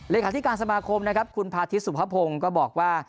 รายการที่การสมาคมนะครับคุณพาธิสสุพพพงษ์ก็บอกว่า